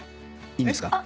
いいんですか？